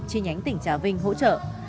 trên nhánh tỉnh trà vinh hỗ trợ